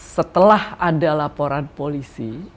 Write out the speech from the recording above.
setelah ada laporan polisi